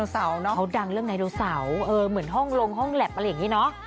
เขาดังเรื่องไดโนเสาร์เหมือนห้องลงห้องแล็บอะไรอย่างนี้เนอะ